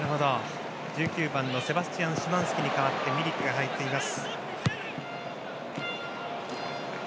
１９番のセバスチアン・シマンスキに代わってミリクが入っています。